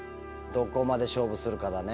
どこまで勝負するかだね。